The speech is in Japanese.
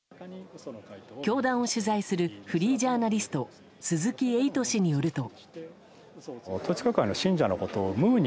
教団を取材するフリージャーナリスト鈴木エイト氏によると。